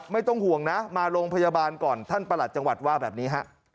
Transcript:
ไม่ต้องห่วงนะมาโรงพยาบาลก่อนท่านประหลัดจังหวัดว่าแบบนี้ฮะ